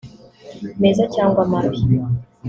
meza cyangwa mabi